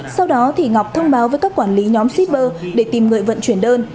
sau đó thì ngọc thông báo với các quản lý nhóm shipper để tìm người vận chuyển đơn